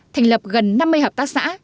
thành lập gần năm mươi hợp tác xã